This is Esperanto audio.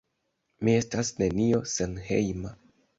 Mi estas nenio senhejma...